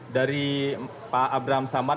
dari pak abraham samad